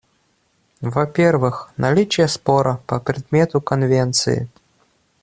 Во-первых, наличие спора по предмету Конвенции.